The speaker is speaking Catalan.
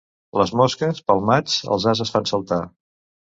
Les mosques, pel maig, els ases fan saltar.